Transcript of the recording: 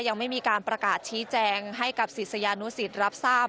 ยังไม่มีการประกาศชี้แจงให้กับศิษยานุสิตรับทราบ